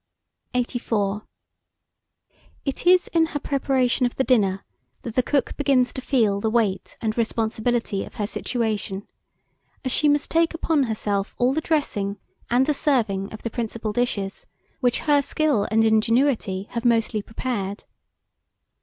84. IT IS IN HER PREPARATION OF THE DINNER that the cook begins to feel the weight and responsibility of her situation, as she must take upon herself all the dressing and the serving of the principal dishes, which her skill and ingenuity have mostly prepared.